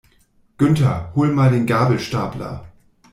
Günther, hol mal den Gabelstapler!